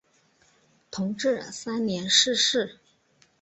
同治三年逝世。